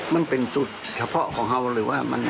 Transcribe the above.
มันเป็นสูตรเฉพาะของเขาหรือว่า